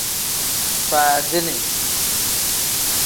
Faadini.